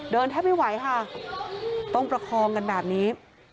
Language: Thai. แทบไม่ไหวค่ะต้องประคองกันแบบนี้